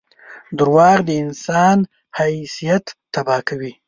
• دروغ د انسان حیثیت تباه کوي.